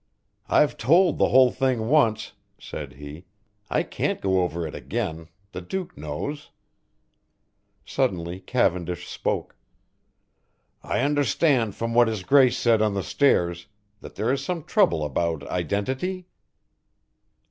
"I've told the whole thing once," said he, "I can't go over it again the Duke knows." Suddenly Cavendish spoke: "I understand from what his grace said on the stairs, that there is some trouble about identity?"